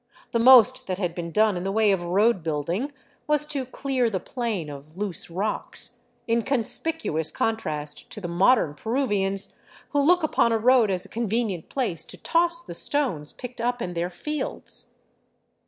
The most that had been done in the way of road building was to clear the plain of loose rocks — in conspicuous contrast to the modern Peruvians, who look upon a road as a convenient place to toss the stones picked up in their fields.